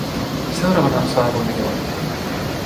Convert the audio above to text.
Seuraavana saavuimme joelle.